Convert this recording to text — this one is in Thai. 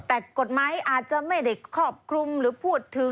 แต่กฎหมายอาจจะไม่ได้ครอบคลุมหรือพูดถึง